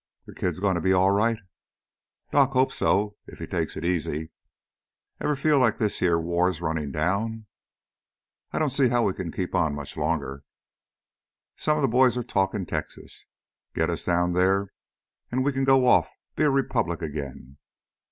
"The kid's gonna be all right?" "Doc hopes so, if he takes it easy." "Ever feel like this heah war's runnin' down?" "I don't see how we can keep on much longer." "Some of the boys are talkin' Texas. Git us down theah an' we can go off be a republic again.